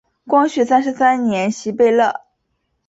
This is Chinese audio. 光绪三十三年袭贝勒。